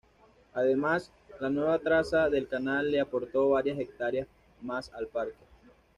Además, la nueva traza del canal le aportó varias hectáreas más al parque.